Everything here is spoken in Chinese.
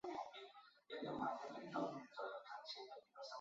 中国的水能资源蕴藏量和可开发量均居世界第一位。